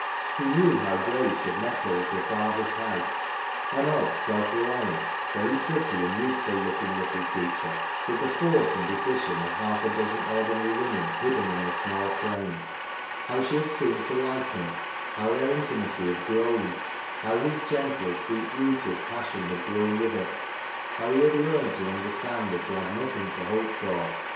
He knew how Grace had met her at her father's house — an odd, self reliant, very pretty and youthful looking little creature, with the force and de cision of half a dozen ordinary women hidden in her small frame ; how she had seemed to like him ; how their intimacy had grown ; how his gentle, deep rooted passion had grown with it; how he had learned to understand that he had nothing to hope for.